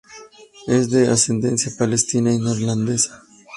Es de ascendencia palestina y neerlandesa.